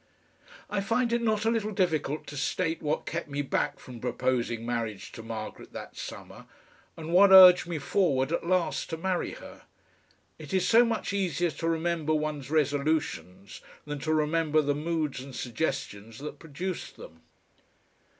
I find it not a little difficult to state what kept me back from proposing marriage to Margaret that summer, and what urged me forward at last to marry her. It is so much easier to remember one's resolutions than to remember the moods and suggestions that produced them.